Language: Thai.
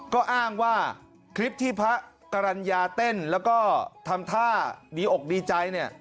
ก็อ้างว่าคลิปที่พระกรรณญาเต้นแล้วก็ทำท่าดีอกดีใจเนี่ย